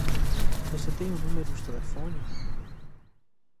Você tem um número de telefone?